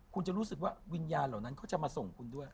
คุณจะรู้สึกว่าวิญญาณเหล่านั้นเขาจะมาส่งคุณด้วย